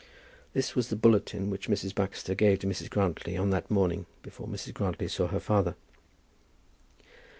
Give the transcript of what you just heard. This was the bulletin which Mrs. Baxter gave to Mrs. Grantly on that morning before Mrs. Grantly saw her father.